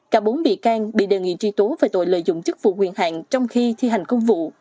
cả bốn bị can bị đề nghị tri tố về tội lợi dụng chức vụ quyền hạn trong khi thi hành công vụ